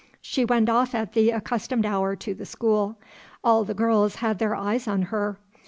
She went off at the accustomed hour to the school. All the girls had their eyes on her.